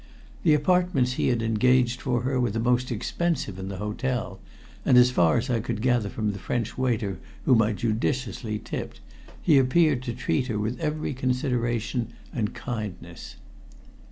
The apartments he had engaged for her were the most expensive in the hotel, and as far as I could gather from the French waiter whom I judiciously tipped, he appeared to treat her with every consideration and kindness.